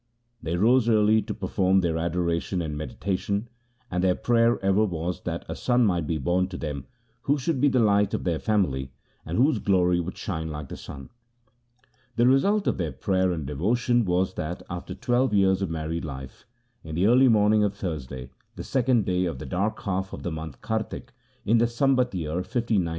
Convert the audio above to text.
They rose early to perform their adoration and meditation, and their prayer ever was that a son might be born to them who should be the light of their family, and whose glory should shine like the sun. The result of their prayer and devotion was that after twelve years of married life, in the early morn ing of Thursday, the second day of the dark half of the month Kartik, in the Sambat year 1591 (a.d.